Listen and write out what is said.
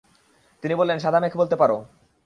তিনি বললেন, সাদা মেঘ বলতে পার।